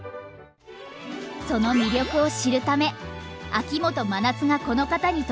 その魅力を知るため秋元真夏がこの方に突撃取材！